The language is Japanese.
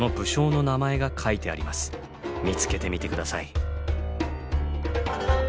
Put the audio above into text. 見つけてみて下さい。